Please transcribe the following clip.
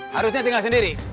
harusnya tinggal sendiri